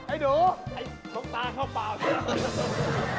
ไอ้หนูล้องตาเข้าเปล่าน่ะรึเปล่า